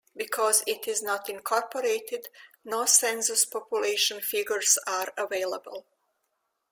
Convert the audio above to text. Because it is not incorporated, no census population figures are available.